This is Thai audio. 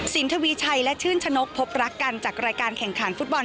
ทวีชัยและชื่นชนกพบรักกันจากรายการแข่งขันฟุตบอล